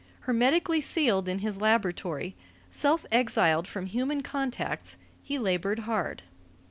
Hermetically sealed in his laboratory, self exiled from human contacts, he labored hard.